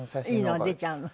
いいのが出ちゃうの？